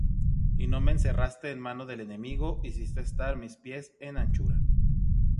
Y no me encerraste en mano del enemigo; Hiciste estar mis pies en anchura.